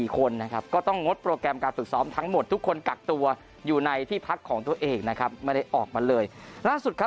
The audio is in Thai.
นะครับก็ต้องงดโปรแกรมการฝึกซ้อมทั้งหมดทุกคนกักตัวอยู่ในที่พักของตัวเองนะครับไม่ได้ออกมาเลยล่าสุดครับ